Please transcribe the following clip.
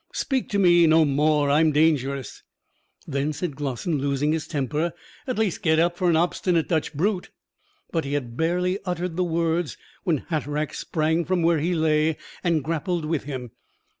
"Speak to me no more. I'm dangerous." "Then," said Glossin, losing his temper, "at least get up, for an obstinate Dutch brute!" But he had barely uttered the words when Hatteraick sprang from where he lay and grappled with him.